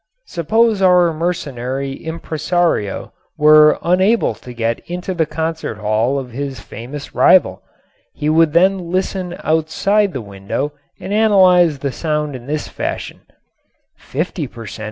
Suppose our mercenary impresario were unable to get into the concert hall of his famous rival. He would then listen outside the window and analyze the sound in this fashion: "Fifty per cent.